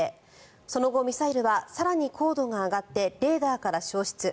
その後、ミサイルは更に高度が上がってレーダーから消失。